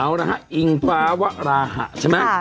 เอาละฮะอิงฟ้าวราหะใช่ไหม